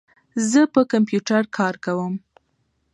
زه په کمپیوټر کار کوم.